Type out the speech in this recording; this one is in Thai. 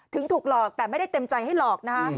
ถูกหลอกแต่ไม่ได้เต็มใจให้หลอกนะฮะ